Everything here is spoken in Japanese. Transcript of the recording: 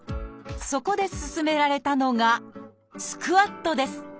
そこで勧められたのがスクワットです